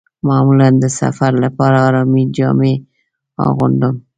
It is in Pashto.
معمولاً د سفر لپاره ارامې جامې اغوندم.